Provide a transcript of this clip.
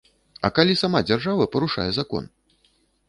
А калі сама дзяржава парушае закон?